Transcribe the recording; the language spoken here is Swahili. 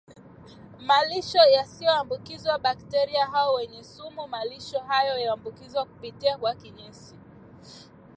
malisho yaliyoambukizwa bakteria hao wenye sumu Malisho hayo huambukizwa kupitia kwa kinyesi